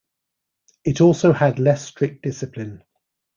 It also had less strict discipline.